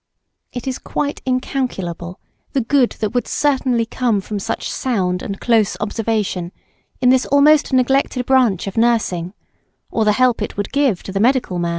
It is quite incalculable the good that would certainly come from such sound and close observation in this almost neglected branch of nursing, or the help it would give to the medical man.